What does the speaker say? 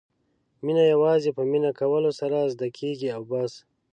مینه یوازې په مینه کولو سره زده کېږي او بس.